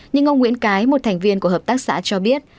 nhưng ông nguyễn cái một thành viên của hợp tác xã cho biết